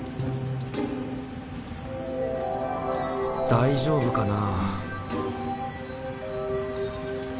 大丈夫かな？